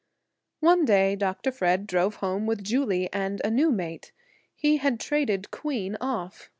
One day Dr. Fred drove home with Julie and a new mate. He had traded Queen off.